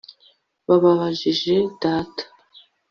Babajije data